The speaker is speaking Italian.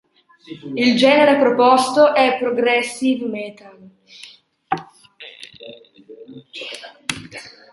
Il genere proposto è progressive metal.